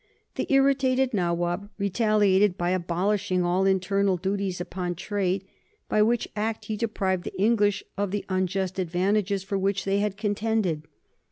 The irritated Nawab retaliated by abolishing all internal duties upon trade, by which act he deprived the English of the unjust advantages for which they had contended.